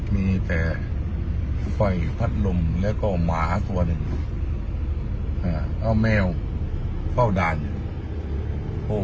มีแต่ไฟพัดลมแล้วก็หมาตัวหนึ่งเอาแมวเฝ้าด่านอยู่